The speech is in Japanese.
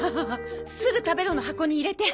「すぐ！たべろ！！」の箱に入れて。